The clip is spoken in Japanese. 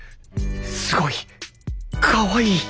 すごいかわいい！